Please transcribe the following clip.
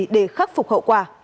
để khắc phục hậu quả